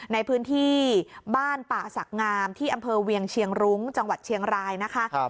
ในพื้นที่บ้านป่าศักดิ์งามที่อำเภอเวียงเชียงรุ้งจังหวัดเชียงรายนะคะ